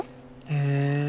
へえ。